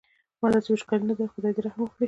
ما داسې وچکالي نه ده لیدلې خدای دې رحم وکړي.